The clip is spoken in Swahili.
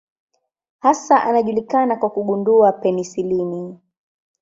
Hasa anajulikana kwa kugundua penisilini.